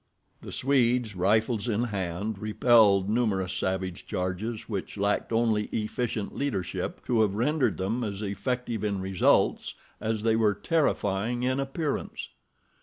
The Swedes, rifles in hand, repelled numerous savage charges which lacked only efficient leadership to have rendered them as effective in results as they were terrifying in appearance.